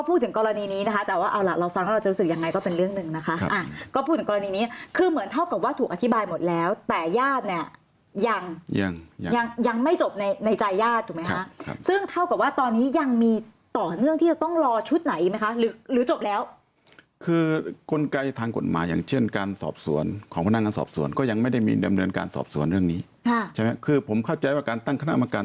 เป็นเรื่องหนึ่งนะคะก็พูดกรณีนี้คือเหมือนเท่ากับว่าถูกอธิบายหมดแล้วแต่ญาติเนี่ยยังยังยังยังไม่จบในใจญาติถูกไหมฮะซึ่งเท่ากับว่าตอนนี้ยังมีต่อเรื่องที่จะต้องรอชุดไหนไหมคะหรือหรือจบแล้วคือกลไกทางกฎหมายังเชื่อนการสอบสวนของพนักการสอบสวนก็ยังไม่ได้มีดำเนินการสอบสวนเรื่อง